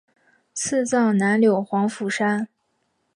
赐葬南柳黄府山。